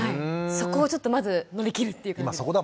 そこをちょっとまず乗り切るっていう感じですね。